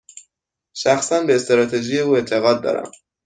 شخصا، به استراتژی او اعتقاد دارم.